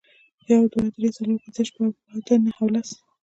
یو، دوه، درې، څلور، پینځه، شپږ، اووه، اته، نهه او لس